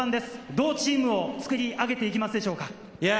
どうチームを作り上げていきたいですか？